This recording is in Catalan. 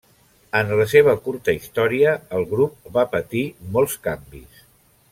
En la seva curta història, el grup va patir molts canvis.